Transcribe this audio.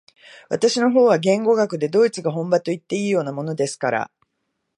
私の方は言語学でドイツが本場といっていいようなものですから、